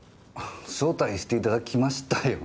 招待していただきましたよね？